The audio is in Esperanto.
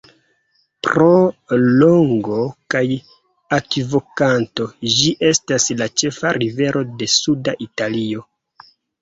Pro longo kaj akvokvanto, ĝi estas la ĉefa rivero de suda Italio.